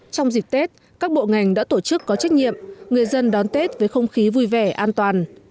trong dịp tết các bộ ngành đã tổ chức có trách nhiệm người dân đón tết với không khí vui vẻ an toàn